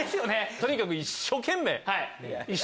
とにかく一生懸命。